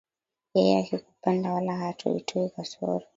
Yeye akikupenda, wala hatoitoi kasoro.